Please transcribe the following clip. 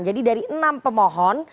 jadi dari enam pemohon